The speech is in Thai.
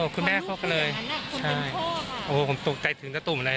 คุณแม่เข้ากันเลยใช่ผมตกใจถึงตุ่มเลย